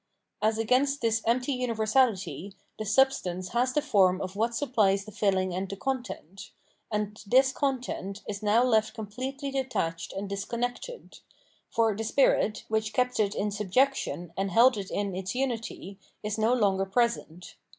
As against this empty universality, the substance has the form of what supplies the filling and the content ; and this content is now left completely detached and dis connected ; for the spirit, which kept it in subjection and held it in its unity, is no longer present.